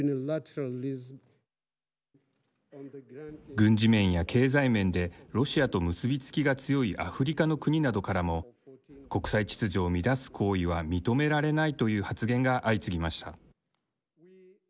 軍事面や経済面でロシアと結び付きが強いアフリカの国などからも国際秩序を乱す行為は認められないという発言が相次ぎました。